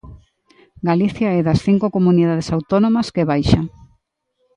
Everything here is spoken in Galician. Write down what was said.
Galicia é das cinco comunidades autónomas que baixa.